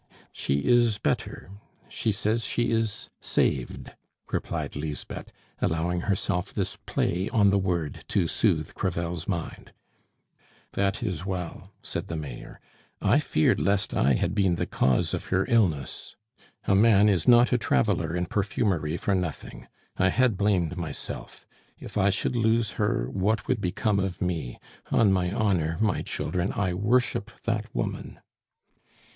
"She is better; she says she is saved," replied Lisbeth, allowing herself this play on the word to soothe Crevel's mind. "That is well," said the Mayor. "I feared lest I had been the cause of her illness. A man is not a traveler in perfumery for nothing; I had blamed myself. If I should lose her, what would become of me? On my honor, my children, I worship that woman."